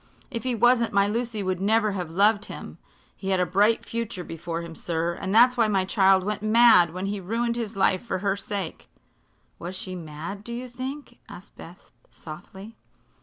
"If he wasn't my Lucy would never have loved him. He had a bright future before him, sir, and that's why my child went mad when he ruined his life for her sake." "Was she mad, do you think?" asked Beth, softly.